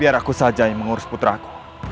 biar aku saja yang mengurus putraku